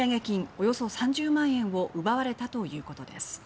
およそ３０万円を奪われたということです。